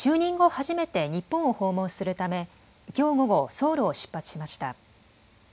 初めて日本を訪問するためきょう午後、ソウルを出発しました。